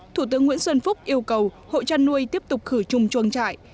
thủ tướng nguyễn xuân phúc yêu cầu hộ chăn nuôi tiếp tục khử trùng chuồng trại